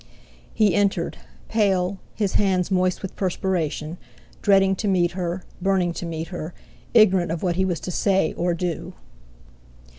He entered, pale, his hands moist with perspiration, dreading to meet her, burning to meet her, ignorant of what he was to say or do.